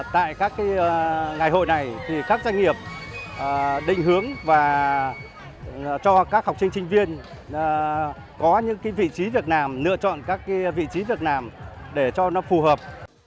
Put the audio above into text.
tại các ngày hội này các doanh nghiệp định hướng và cho các học sinh sinh viên có những vị trí việc làm lựa chọn các vị trí việc làm để cho nó phù hợp